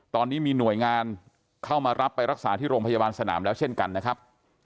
ตอนนี้มีหน่วยงานเข้ามารับไปรักษาที่โรงพยาบาลสนามแล้วเช่นกันนะครับ